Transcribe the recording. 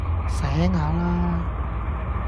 醒下啦